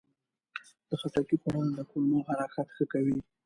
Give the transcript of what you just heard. د خټکي خوړل د کولمو حرکت ښه کوي.